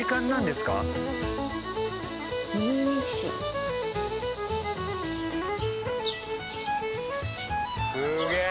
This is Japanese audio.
すげえー！